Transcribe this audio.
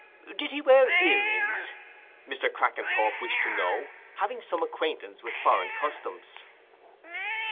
"Did he wear ear rings?" Mr. Crackenthorp wished to know, having some acquaintance with foreign customs.